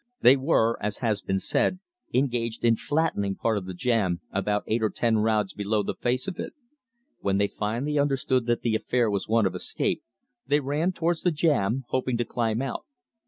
They were, as has been said, engaged in "flattening" part of the jam about eight or ten rods below the face of it. When they finally understood that the affair was one of escape, they ran towards the jam, hoping to climb out.